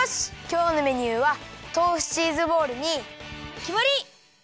きょうのメニューはとうふチーズボールにきまり！